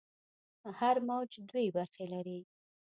هر موج دوې برخې لري.